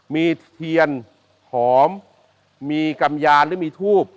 มีเทียนหอมมีกำยานหรือมีทูบ